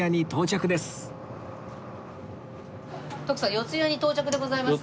四谷に到着でございます。